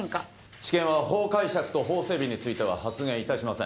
地検は法解釈と法整備については発言いたしません。